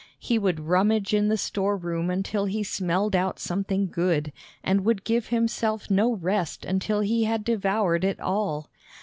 He would rummage in the storeroom until he smelled out something good, and would give himself no rest until he had devoured it all.